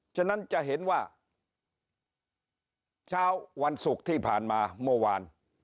ฉะนั้นจะเห็นว่าเช้าวันศุกร์ที่ผ่านมาเมื่อวาน